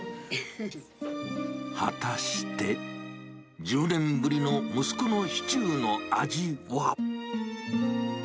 果たして、１０年ぶりの息子のシチューの味は。